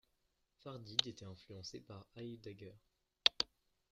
Fardid était influencé par Heidegger.